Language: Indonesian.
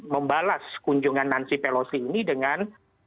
membalas kunjungan subscribe ru juego tini dengan